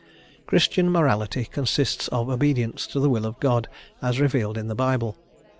Christian morality consists of obedience to the will of God, as revealed in the Bible.